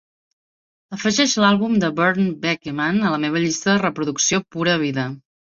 afegeix l'àlbum de Bernd Begemann a la meva llista de reproducció pura vida